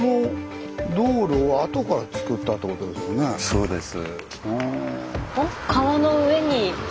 そうです。